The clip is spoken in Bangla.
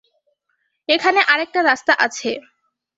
এখানে আরেকটা রাস্তা আছে।